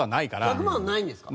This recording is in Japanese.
１００万はないんですか？